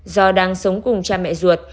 do đang sống cùng cha mẹ ruột